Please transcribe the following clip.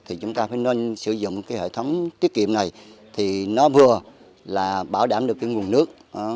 thì chúng ta phải nên sử dụng cái hệ thống tiết kiệm này thì nó vừa là bảo đảm được cái nguồn nước